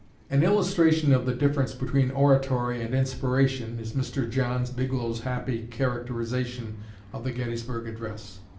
"An illustration of the difference between oratory and inspiration" is Mr. John Bigelow's happy characterization of the Gettysburg address.